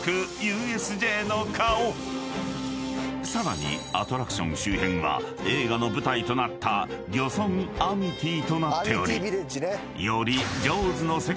［さらにアトラクション周辺は映画の舞台となった漁村アミティとなっておりより］